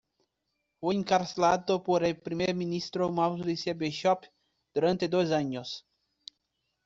Fue encarcelado por el Primer Ministro Maurice Bishop durante dos años.